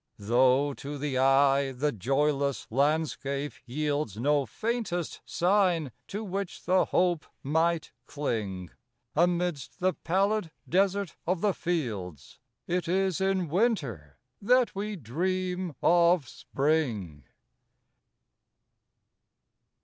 Though, to the eye, the joyless landscape yieldsNo faintest sign to which the hope might cling,—Amidst the pallid desert of the fields,—It is in Winter that we dream of Spring.